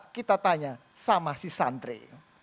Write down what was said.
kita tanya sama si santri